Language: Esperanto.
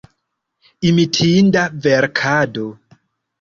Imitinda verkado.